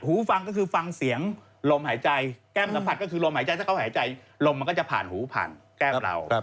หูฟังก็คือฟังเสียงลมหายใจแก้มสัมผัสก็คือลมหายใจถ้าเขาหายใจลมมันก็จะผ่านหูผ่านแก้มเรา